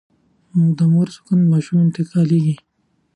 د مور سکون ماشوم ته انتقالېږي.